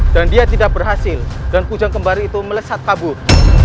dan dia tidak berhasil dan kujang kembar itu melesat kabur